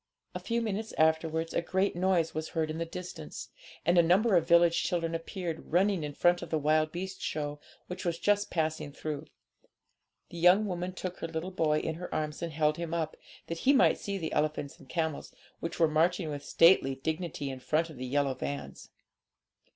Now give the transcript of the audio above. A few minutes afterwards a great noise was heard in the distance, and a number of the village children appeared, running in front of the wild beast show, which was just passing through. The young woman took her little boy in her arms, and held him up, that he might see the elephants and camels, which were marching with stately dignity in front of the yellow vans.